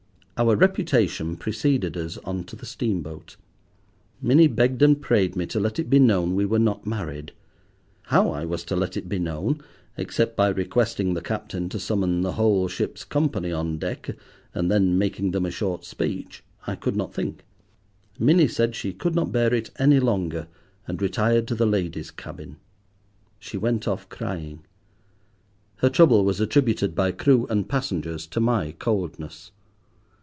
Our reputation preceded us on to the steamboat. Minnie begged and prayed me to let it be known we were not married. How I was to let it be known, except by requesting the captain to summon the whole ship's company on deck, and then making them a short speech, I could not think. Minnie said she could not bear it any longer, and retired to the ladies' cabin. She went off crying. Her trouble was attributed by crew and passengers to my coldness.